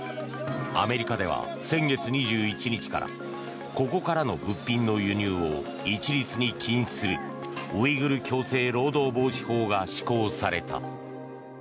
アメリカでは先月２１日からここからの物品の輸入を一律に禁止するウイグル強制労働防止法が施行された。